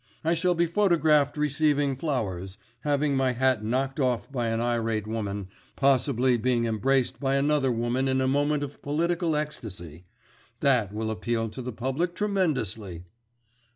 I shall be photographed receiving flowers, having my hat knocked off by an irate woman, possibly being embraced by another woman in a moment of political ecstasy. That will appeal to the public tremendously."